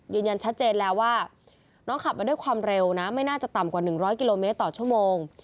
ยืนยันชัดเจนแล้วว่าน้องขับมาด้วยความเร็วนะไม่น่าจะต่ำกว่า๑๐๐กิโลเมตรต่อชั่วโมง